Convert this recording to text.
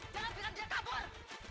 jangan biarkan dia kabur